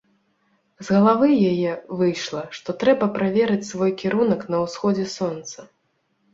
З галавы яе выйшла, што трэба праверыць свой кірунак на ўсходзе сонца.